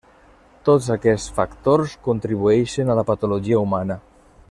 Tots aquests factors contribueixen a la patologia humana.